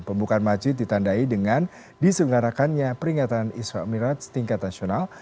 pembukaan macit ditandai dengan disengarakannya peringatan iswa emirat setingkat nasional